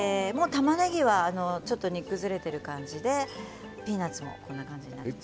たまねぎは煮崩れている感じでピーナツもこんな感じになります。